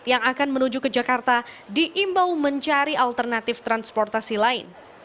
yang akan menuju ke jakarta diimbau mencari alternatif transportasi lain